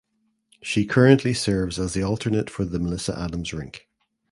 She currently serves as the alternate for the Melissa Adams rink.